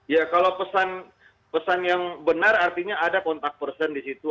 ya kalau pesan yang benar artinya ada kontak person di situ